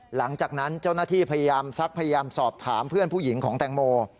หลังจากนั้นเจ้าหน้าที่พยายามซักพยายามสอบถามเพื่อนผู้หญิงของแตงโม